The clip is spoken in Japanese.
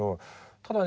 ただね